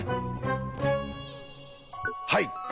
はい。